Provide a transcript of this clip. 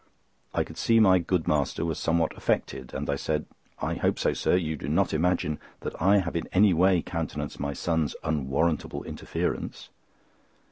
I could see my good master was somewhat affected, and I said: "I hope, sir, you do not imagine that I have in any way countenanced my son's unwarrantable interference?"